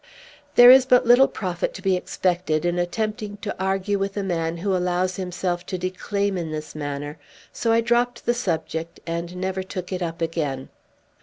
There is but little profit to be expected in attempting to argue with a man who allows himself to declaim in this manner; so I dropt the subject, and never took it up again.